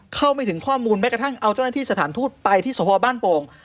เข้าไม่ถึงข้อมูลแม้กระทั่งเอาเจ้าหน้าที่สถานทูตไปที่สพบ้านโป่ง